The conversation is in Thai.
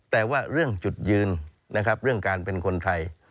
แต่ว่าเรื่องจุดยืนนะครับเรื่องการเป็นคนไทย